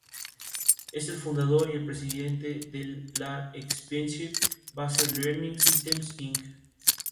Es el fundador y el presidente de la Experience Based Learning Systems, Inc.